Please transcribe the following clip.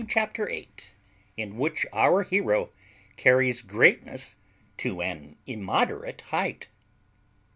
CHAPTER EIGHT IN WHICH OUR HERO CARRIES GREATNESS TO AN IMMODERATE HEIGHT.